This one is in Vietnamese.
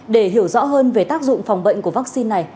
để hiểu rõ hơn về tác dụng phòng bệnh của vaccine này